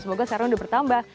semoga sekarang sudah bertambah